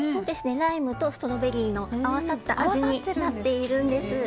ライムとストロベリーの合わさった味になっているんです。